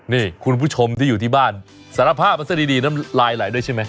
นี่คุณผู้ชมที่อยู่ที่บ้านสารภาพมันซะดีน้ำลายไหลด้วยใช่ไหม